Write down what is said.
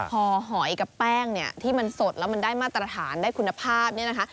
พอหอยกับแป้งเนี่ยที่มันสดแล้วมันได้มาตรฐานได้คุณภาพเนี่ยนะคะ